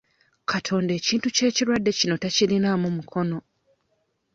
Katonda ekintu ky'ekirwadde kino takirinaamu mukono.